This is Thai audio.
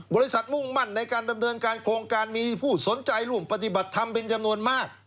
มุ่งมั่นในการดำเนินการโครงการมีผู้สนใจร่วมปฏิบัติธรรมเป็นจำนวนมาก